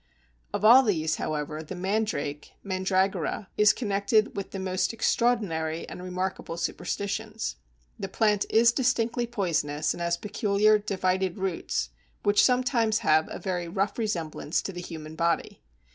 Of all these, however, the Mandrake (Mandragora) is connected with the most extraordinary and remarkable superstitions. The plant is distinctly poisonous, and has peculiar divided roots which sometimes have a very rough resemblance to the human body.